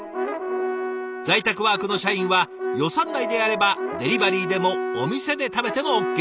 在宅ワークの社員は予算内であればデリバリーでもお店で食べてもＯＫ。